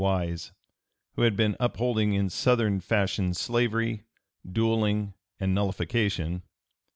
Wise, who had been upholding in Southern fashion slavery, duelling, and nullification.